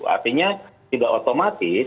artinya tidak otomatis